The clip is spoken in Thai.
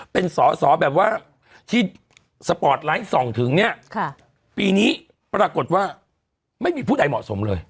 เป็นสอสอแบบว่าที่สปอร์ตไลท์ส่องถึงเนี่ยปีนี้ปรากฏว่าไม่มีผู้ใดเหมาะสมเลย